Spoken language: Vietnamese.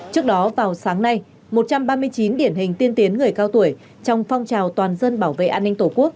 trước đó vào sáng nay một trăm ba mươi chín điển hình tiên tiến người cao tuổi trong phong trào toàn dân bảo vệ an ninh tổ quốc